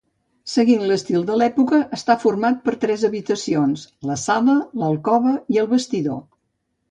Seguint l'estil de l'època, està format per tres habitacions: la sala, l'alcova i el vestidor.